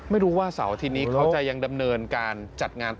ไม่รู้ว่าเสาที่นี่เขายังดำเนินการจัดงานต่อ